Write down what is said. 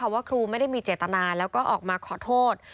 ว่าครูไม่ได้มีเจตนาแล้วก็ออกมาขอโทษ